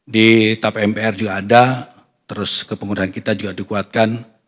di tap mpr juga ada terus ke penggunaan kita juga dikuatkan